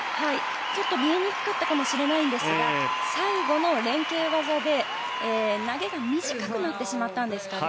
ちょっと見えにくかったかもしれないんですが最後の連係技で投げが短くなってしまったんですかね。